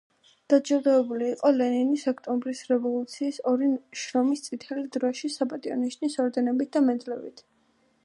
დაჯილდოვებული იყო ლენინის, ოქტომბრის რევოლუციის, ორი შრომის წითელი დროშის, საპატიო ნიშნის ორდენებით და მედლებით.